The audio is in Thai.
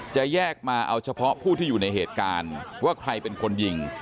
จะแยกมาเอาเฉพาะผู้ที่อยู่ในเหตุการณ์ว่าใครเป็นคนยิง